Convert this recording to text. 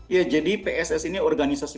ya jadi pss ini organisasi